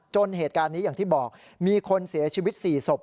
เหตุการณ์นี้อย่างที่บอกมีคนเสียชีวิต๔ศพ